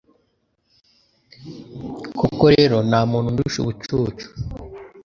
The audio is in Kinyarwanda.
Koko rero nta muntu undusha ubucucu